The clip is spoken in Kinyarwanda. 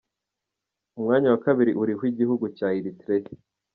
Umwanya wa kabiri uriho igihugu cya Eritrea.